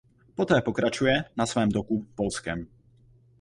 Poté pokračuje na svém toku "Polskem".